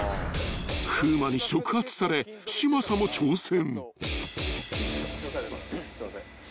［風磨に触発され嶋佐も挑戦］